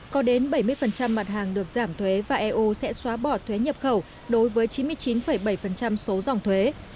có đến bảy mươi mặt hàng được giảm thuế và eu sẽ xóa bỏ thuế nhập khẩu đối với chín mươi chín bảy số dòng thuế